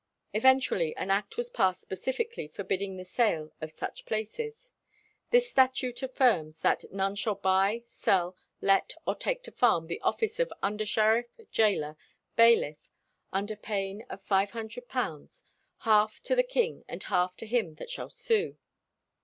Eventually an act was passed specifically forbidding the sale of such places. This statute affirms that "none shall buy, sell, let, or take to farm, the office of undersheriff, gaoler, bailiff, under pain of £500, half to the king and half to him that shall sue."